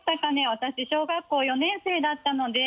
私小学校４年生だったので。